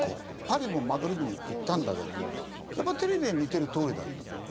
パリもマドリードも行ったんだけどもやっぱテレビで見てるとおりだったの。